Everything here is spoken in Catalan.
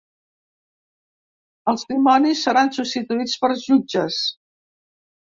Els dimonis seran substituïts per jutges.